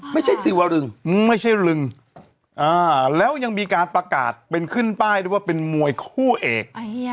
ซีวารึงไม่ใช่ลึงแล้วยังมีการประกาศเป็นขึ้นป้ายด้วยว่าเป็นมวยคู่เอก